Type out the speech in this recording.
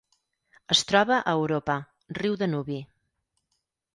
Es troba a Europa: riu Danubi.